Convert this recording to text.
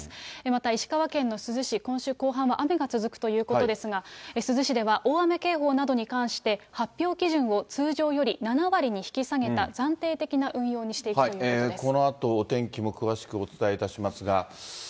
また石川県の珠洲市、今週後半は雨が続くということですが、珠洲市では大雨警報などに関して、発表基準を通常より７割に引き下げた暫定的な運用にしていくといこのあとお天気も詳しくお伝えいたしますが。